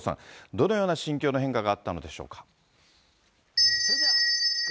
どのような心境の変化があったのでしょうか。